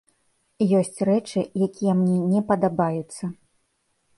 Ёсць рэчы, якія мне не падабаюцца.